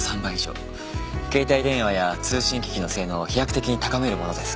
携帯電話や通信機器の性能を飛躍的に高めるものです。